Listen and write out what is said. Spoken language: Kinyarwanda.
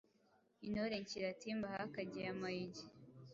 Intore nshyira Timber ahakagiye amayugi